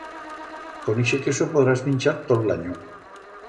Con ixe queso podrás minchar tot l'anyo.